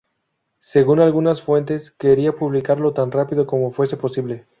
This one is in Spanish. Según algunas fuentes, quería publicarlo tan rápido como fuese posible.